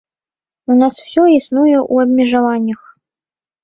У нас усё існуе ў абмежаваннях.